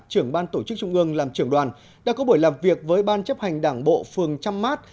trưởng ban tổ chức trung ương làm trưởng đoàn đã có buổi làm việc với ban chấp hành đảng bộ phường trăm mát